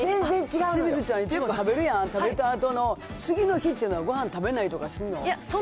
清水ちゃん、結構食べるやん、食べたあとの次の日っていうのは、ごはん食べないとかすんの？